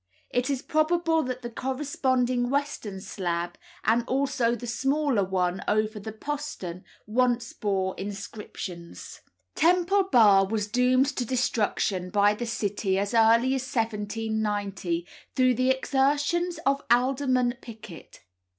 It is probable that the corresponding western slab, and also the smaller one over the postern, once bore inscriptions. Temple Bar was doomed to destruction by the City as early as 1790, through the exertions of Alderman Picket.